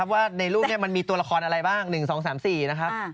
ว่าในรูปนี้มันมีตัวละครอะไรบ้าง๑๒๓๔นะครับ